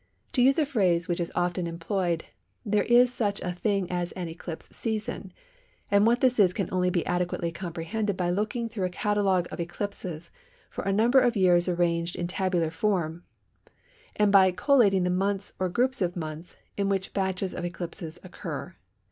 To use a phrase which is often employed, there is such a thing as an "Eclipse Season," and what this is can only be adequately comprehended by looking through a catalogue of eclipses for a number of years arranged in a tabular form, and by collating the months or groups of months in which batches of eclipses occur.